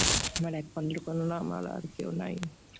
আমার একমাত্র কন্যা, আমার আর কেহ নাই।